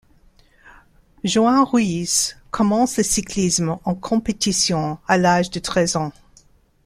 Joan Ruiz commence le cyclisme en compétition à l'âge de treize ans.